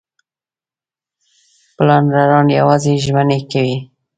پلانران یوازې ژمنې کوي.